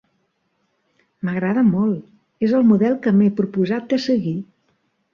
M'agrada molt: és el model que m'he proposat de seguir.